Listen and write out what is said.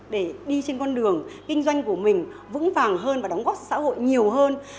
để đi trên con đường kinh doanh của mình vững vàng hơn và đóng góp xã hội nhiều hơn